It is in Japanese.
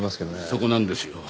そこなんですよ。